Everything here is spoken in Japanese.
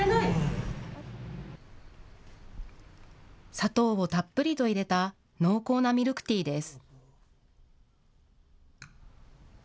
砂糖をたっぷりと入れた濃厚なミルクティーです。